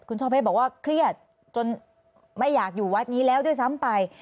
คุณช่อเพชรบอกว่าเครียดจนไม่อยากอยู่วัดนี้แล้วด้วยซ้ำไป